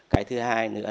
cái thứ hai nữa